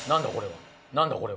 何だ？